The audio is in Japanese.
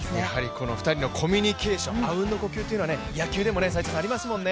この２人のコミュニケーションあうんの呼吸というのは野球でもありますもんね。